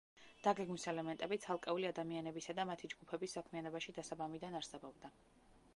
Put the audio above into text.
დაგეგმვის ელემენტები ცალკეული ადამიანებისა და მათი ჯგუფების საქმიანობაში დასაბამიდან არსებობდა.